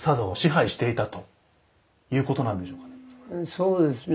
そうですね